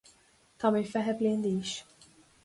Tá mé fiche bliain d'aois.